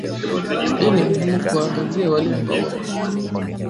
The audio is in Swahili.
Pia ni muhimu kuwaangazia wale ambao wamehusika na mateso.